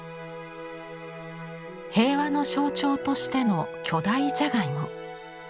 平和の象徴としての巨大じゃがいも。